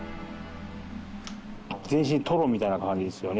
全身トロみたいな感じですよね。